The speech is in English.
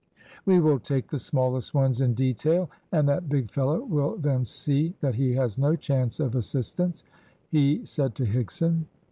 "We will take the smallest ones in detail, and that big fellow will then see that he has no chance of assistance," he said to Higson.